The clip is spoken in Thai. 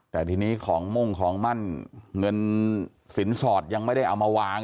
แต่ทีนี้ของมุ่งของมั่นเงินสินสอดยังไม่ได้เอามาวาง